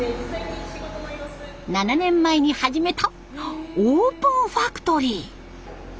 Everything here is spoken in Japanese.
７年前に始めたオープンファクトリー。